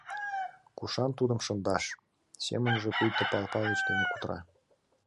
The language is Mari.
«Кушан тудым шындаш? — семынже пуйто Пал Палыч дене кутыра.